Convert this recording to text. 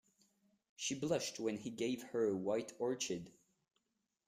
She blushed when he gave her a white orchid.